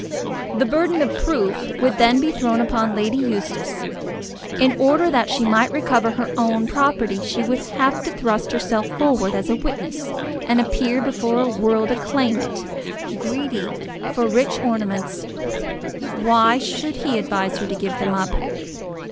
The burthen of proof would then be thrown upon Lady Eustace. In order that she might recover her own property she would have to thrust herself forward as a witness, and appear before the world a claimant, greedy for rich ornaments. Why should he advise her to give them up?